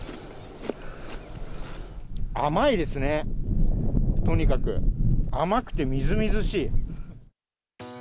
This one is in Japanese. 甘いですね、とにかく甘くてみずみずしい。